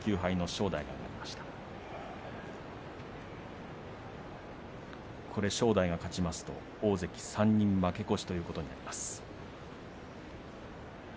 正代が勝ちますと大関３人負け越しということになります。